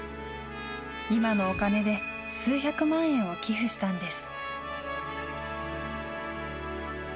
今のお金で数百万円を寄付したんです。